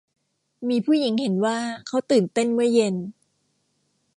มีผู้หญิงเห็นว่าเค้าตื่นเต้นเมื่อเย็น